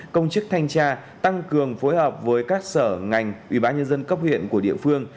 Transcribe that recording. công chức thanh tra tăng cường phối hợp với các sở ngành ủy ban nhân dân cấp huyện của địa phương